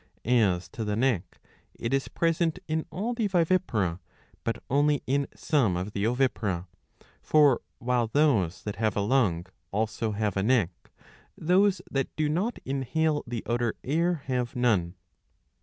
As to the neck, it is present in all the vivipara, but only in some of the ovipara ; for while those that have a lung also have a neck, those that do not inhale the outer air have none.